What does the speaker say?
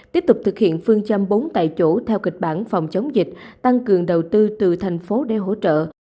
tiếp tục thực hiện phương châm bốn tại chỗ theo kịch bản phòng chống dịch tăng cường đầu tư từ thành phố để hỗ trợ